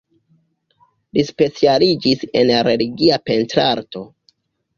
Li specialiĝis en religia pentrarto.